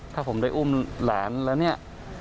ถ้าผมได้อุ้มหลานแล้วเนี่ย